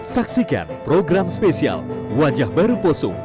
saksikan program spesial wajah baru poso